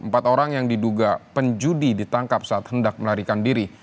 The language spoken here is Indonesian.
empat orang yang diduga penjudi ditangkap saat hendak melarikan diri